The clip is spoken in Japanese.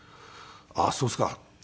「ああーそうですか」